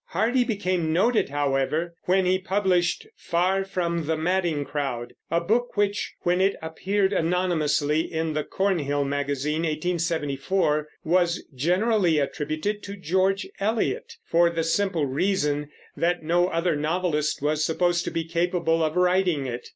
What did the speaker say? Hardy became noted, however, when he published Far from the Madding Crowd, a book which, when it appeared anonymously in the Cornhill Magazine (1874), was generally attributed to George Eliot, for the simple reason that no other novelist was supposed to be capable of writing it.